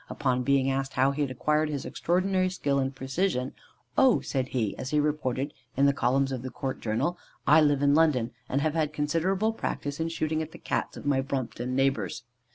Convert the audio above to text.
Upon being asked how he had acquired his extraordinary skill and precision "'Oh,' said he, as reported in the columns of the Court Journal, 'I live in London, and have had considerable practice in shooting at the Cats of my Brompton neighbours.